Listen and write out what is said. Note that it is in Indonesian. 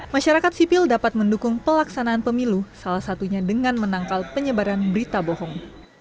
masyarakat sipil dapat mendukung pelaksanaan pemilu salah satunya dengan menangkal penyebaran berita bohong